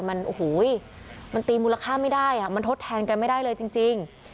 มันโอ้โหมันตีมูลค่าไม่ได้มันทดแทนกันไม่ได้เลยจริง